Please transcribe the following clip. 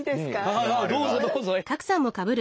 はいどうぞどうぞ。